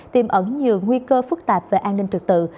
tiêm ẩn nhiều nguy cơ phức tạp về an ninh trực tự